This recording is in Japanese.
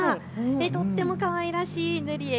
とってもかわいらしい塗り絵。